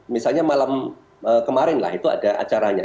misalnya malam kemarin lah itu ada acaranya